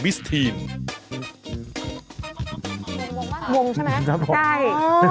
วงใช่ไหมกันได้